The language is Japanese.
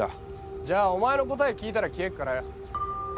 じゃあお前の答え聞いたら消えっからよ。